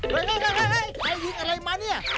เฮ้ยใครยิงอะไรมาเนี่ย